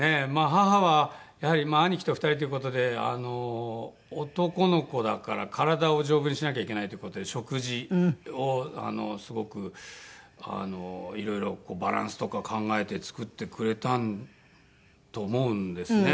母はやはり兄貴と２人という事で男の子だから体を丈夫にしなきゃいけないっていう事で食事をすごくいろいろバランスとか考えて作ってくれたと思うんですね。